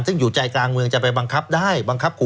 ซึ่งอยู่ใจกลางเมืองจะไปบังคับได้